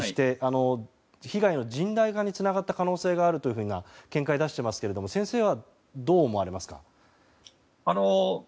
被害の甚大化につながった可能性があるというふうな見解を出していますが先生はどう思われますか？